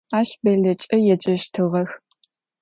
Ащ Бэллэкӏэ еджэщтыгъэх.